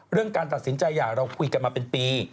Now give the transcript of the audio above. การตัดสินใจอย่างเราคุยกันมาเป็นปี